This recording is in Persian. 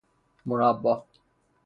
مربا